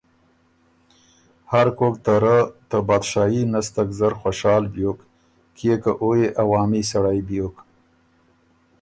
هر کوک ته رۀ ته بادشاهي نستک زر خوشال بیوک کيې که او يې عوامي سړئ بیوک